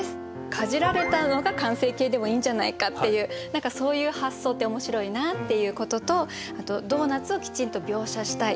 かじられたのが完成形でもいいんじゃないかっていう何かそういう発想って面白いなっていうこととあとドーナツをきちんと描写したい。